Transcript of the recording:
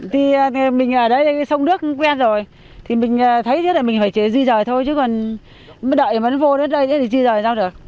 thì mình ở đây là cái sông nước quen rồi thì mình thấy chứ là mình phải chế di rời thôi chứ còn đợi mà nó vô đến đây thì di rời sao được